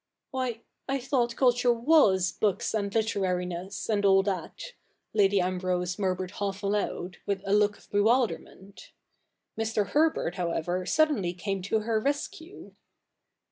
' Why, I thought culture was books and literariness, and all that,' Lady Ambrose murmured half aloud, with a look of bewilderment. Mr. Herbert however suddenly came to her rescue.